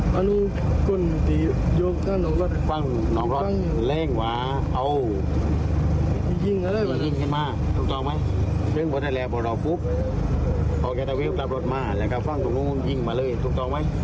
พอแกเตอร์วิวกลับรถมาและกลับฝั่งตรงโน้นยิงมาเลยถูกต้องไหม